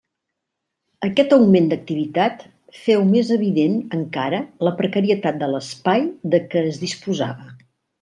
Aquest augment d'activitat feu més evident encara la precarietat de l'espai de què es disposava.